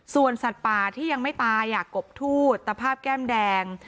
ส่วนสัตว์ป่าที่ยังไม่ตายกบทูตสภาพแก้มแดง